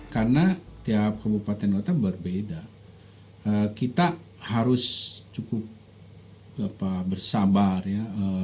karena tiap kabupaten kota berbeda kita harus cukup bersabar ya